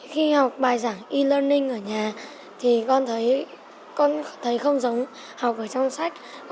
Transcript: khi học bài giảng e learning ở nhà thì con thấy không giống học ở trong sách